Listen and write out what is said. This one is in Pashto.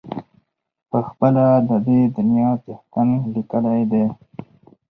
پخپله د دې دنیا څښتن لیکلی دی.